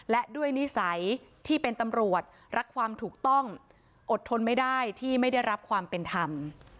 และด้วยนิสัยที่เป็นตำรวจรักความถูกต้องอดทนไม่ได้ที่ไม่ได้รับความเป็นธรรม